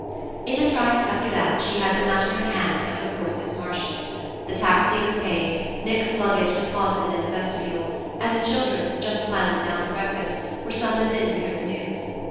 In a trice, after that, she had the matter in hand and her forces marshalled. The taxi was paid, Nick's luggage deposited in the vestibule, and the children, just piling down to breakfast, were summoned in to hear the news.